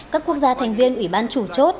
các quốc gia thành viên ủy ban chủ chốt